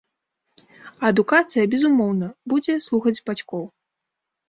А адукацыя, безумоўна, будзе слухаць бацькоў.